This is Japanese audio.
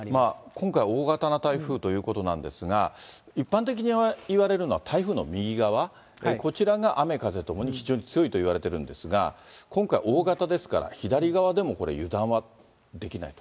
今回、大型の台風ということなんですが、一般的にいわれるのは台風の右側、こちらが雨風ともに非常に強いといわれているんですが、今回、大型ですから左側でもこれ、油断はできないと。